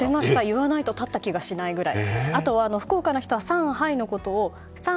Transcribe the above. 言わないと立った気がしないくらい。